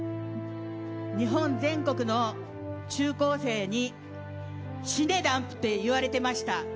日本全国の中高生に死ね、ダンプって言われてました。